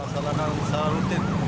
salah satu misal rutin